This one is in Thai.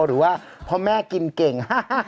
หรือว่าพ่อแม่กินเก่ง